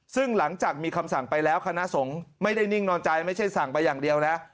ซึ่งหลังจากมีคำสั่งไปแล้วคณะสงฆ์ไม่ได้นิ่งนอนใจไม่ใช่สั่งไปอย่างเดียวนะ